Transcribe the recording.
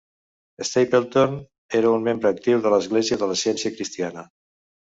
Stapleton era un membre actiu de l'església de la Ciència Cristiana.